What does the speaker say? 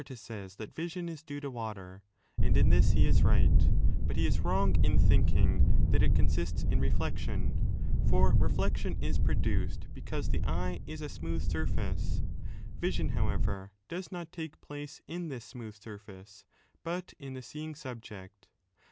THEORIES OP VISION 153 Democritus says that vision is due to water, and in this he is right; but he is wrong in thinking that it consists in reflection. For reflection is produced because the eye is a smooth surface; vision, however, does not take place in this smooth surface but in the seeing subject.